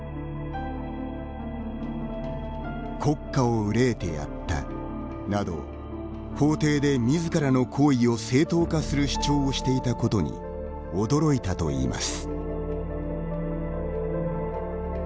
国家を憂えてやったなど法廷で自らの行為を正当化する主張をしていたことに驚いたといいます。